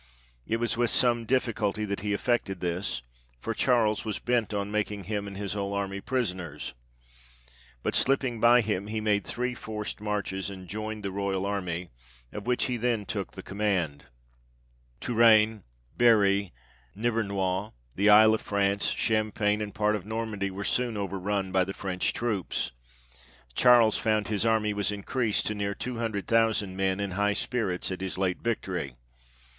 It was with some difficulty that he effected this, for Charles was bent on making him and his whole army prisoners. But slipping by him, he made three forced marches, and joined the royal army, of which he then took the command. Touraine, Berry, Nivernois, the Isle of France, Cham pagne, and part of Normandy, were soon over run by the French troops; Charles found his army was in creased to near two hundred thousand men, in high spirits at his late victory.